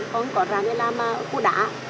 có cái cỏ ràm thì làm cua đá